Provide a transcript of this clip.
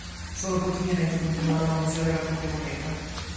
Solo pochi pianeti continuarono ad usare la propria moneta.